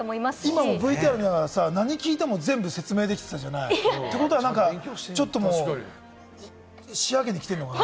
今のＶＴＲも何聞いても説明できてたじゃない？ということはちょっと仕上げに来ているのかな。